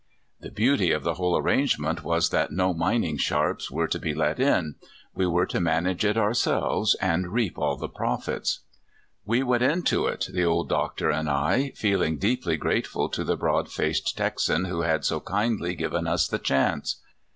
The beauty of the whole arrangement was that no "mining sharps" were to be let in; we were to manage it ourselves, and reap all the profits. We went into it, the old Doctor and I, feeling deeply grateful to the broad faced Texan, who had so kindly given us the chance.